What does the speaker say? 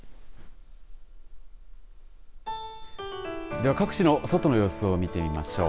では各地の外の様子を見てみましょう。